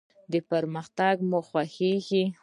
ایا پرمختګ مو خوښیږي؟